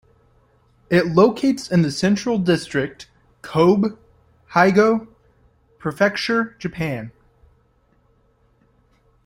It locates in the Central District, Kobe, Hyogo Prefecture, Japan.